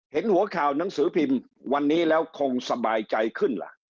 เห็นหัวข่าวหนังสือพิมพ์วันนี้แล้วคงสบายใจขึ้นล่ะ